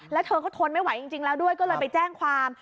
แล้วเธอก็ทนไม่ไหวจริงแล้วด้วยก็เลยไปแจ้งความ